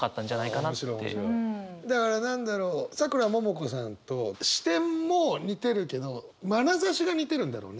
だから何だろうさくらももこさんと視点も似てるけどまなざしが似てるんだろうね。